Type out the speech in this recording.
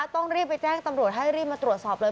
ต้องรีบไปแจ้งตำรวจให้รีบมาตรวจสอบเลย